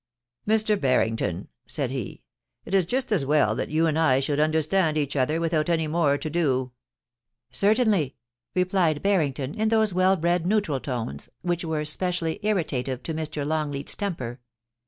* Mr. Barrington,' said he, * it is just as well that you and I should understand each other without any more to da' * Certainly,' replied Barrington, in those well bred neutral tones which were specially irritative to Mr. Longleat's temper.